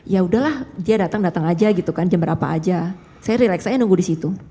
yaudah lah dia datang datang aja gitu kan jam berapa aja saya relax aja nunggu disitu